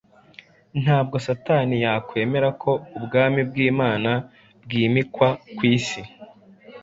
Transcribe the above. Ntabwo Satani yakwemera ko Ubwami bw’Imana bwimikwa ku isi,